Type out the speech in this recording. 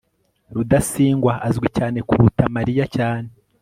rudasingwa azwi cyane kuruta mariya cyane